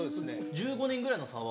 １５年ぐらいの差は。